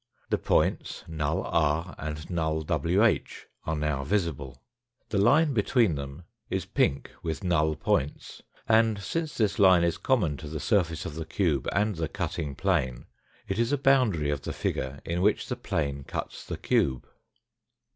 The points null r and null ivh are now visible. The line between them is pink with null points, and since this line is common to the surface of the cube and the cutting plane, it is a boundary of the figure in which the plane cuts the cube.